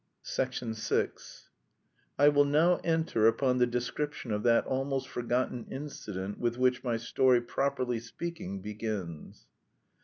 VI I will now enter upon the description of that almost forgotten incident with which my story properly speaking begins.